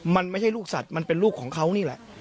มันไม่ใช่ลูกสัตว์มันเป็นลูกของเขานี่แหละ